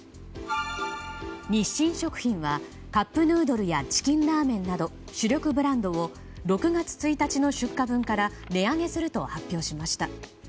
日清食品はカップヌードルやチキンラーメンなど主力ブランドを６月１日の出荷分から値上げすると発表しました。